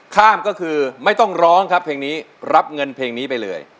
ข้ามก็คือไม่ต้องร้องครับเพลงนี้รับเงินเพลงนี้ไปเลย